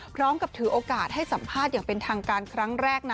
พร้อมกับถือโอกาสให้สัมภาษณ์อย่างเป็นทางการครั้งแรกนะ